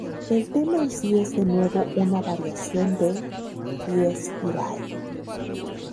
El tema en sí es de nuevo una variación de "Dies irae".